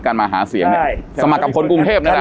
การมาหาเสียงเนี้ยใช่สมัครกรรมคนกรุงเทพเนี้ยแหละ